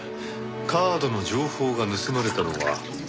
カードの情報が盗まれたのはカリブの島。